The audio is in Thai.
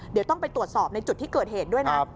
เดี๋ยวต้องไปตรวจสอบในจุดที่เกิดเหตุด้วยนะ